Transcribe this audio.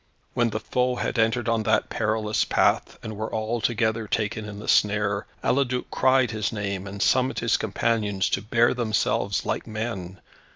When the foe had entered on that perilous path, and were altogether taken in the snare, Eliduc cried his name, and summoned his companions to bear themselves like men.